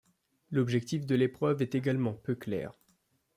L’objectif de l'épreuve est également peu clair.